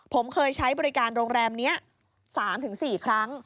ผมเคยใช้บริการโรงแรมนี้๓๔ครั้ง